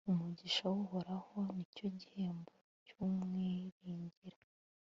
umugisha w'uhoraho, ni cyo gihembo cy'umwiringira